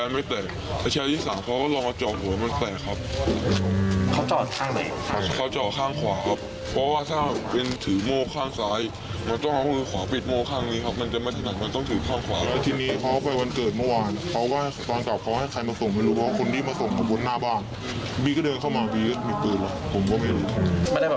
ไม่ได้แบบว่ามีเรื่อง่าตัวไปเถอะ